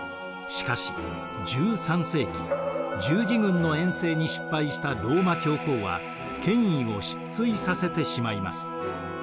しかし１３世紀十字軍の遠征に失敗したローマ教皇は権威を失墜させてしまいます。